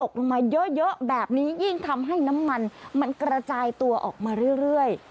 ลงมาเยอะแบบนี้ยิ่งทำให้น้ำมันมันกระจายตัวออกมาเรื่อย